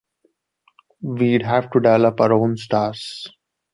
We'd have to develop our own stars.